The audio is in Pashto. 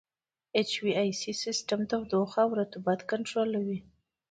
اچ وي اې سي سیسټم تودوخه او رطوبت کنټرولوي.